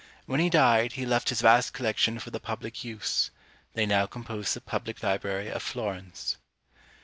When he died, he left his vast collection for the public use; they now compose the public library of Florence.